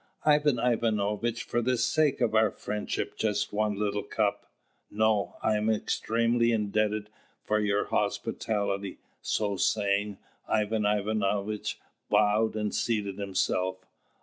"Ivan Ivanovitch, for the sake of our friendship, just one little cup!" "No: I am extremely indebted for your hospitality." So saying, Ivan Ivanovitch bowed and seated himself.